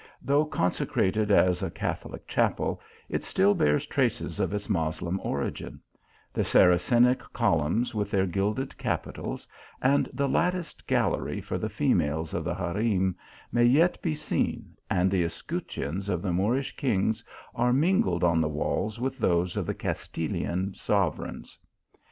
Though consecrated as a Catholic chapel, it still bears traces of its Moslem origin ; the Saracenic columns with their gilded capitals, and the latticed gallery for the females of the harem, may yet be seen, and the escutcheons Of the Moorish kings are mingled on the walls with those of the Castilian sovereigns.